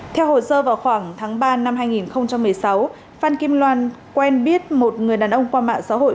theo hồ sơ vào khoảng tháng ba năm hai nghìn một mươi sáu phan kim loan quen biết một người đàn ông qua mạng xã hội